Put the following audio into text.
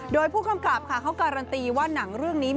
โดยผู้กำกับค่ะเขาการันตีว่าหนังเรื่องนี้